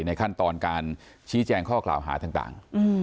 ในขั้นตอนการชี้แจงข้อกล่าวหาต่าง